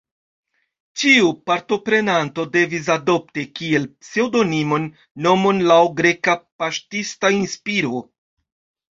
Ĉiu partoprenanto devis adopti, kiel pseŭdonimon, nomon laŭ greka paŝtista inspiro.